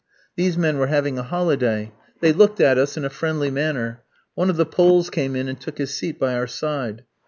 These men were having a holiday. They looked at us in a friendly manner. One of the Poles came in and took his seat by our side.